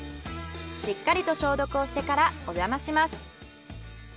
しっかりと消毒をしてからおじゃまします。